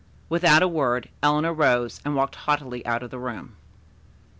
Without a word Eleanor rose and walked haughtily out of the room.